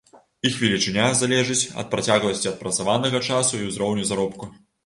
Іх велічыня залежыць ад працягласці адпрацаванага часу і ўзроўню заробку.